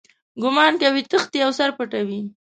ګومان کوي تښتي او سر پټوي.